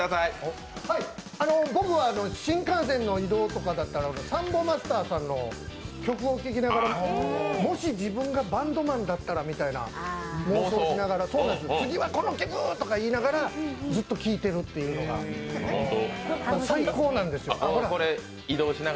僕は新幹線の移動とかだったらサンボマスターさんの曲を聴きながらもし自分がバンドマンだったらみたいな妄想をしながら次はこの曲ーと言いながらずっと聴いているというのが最高なんです。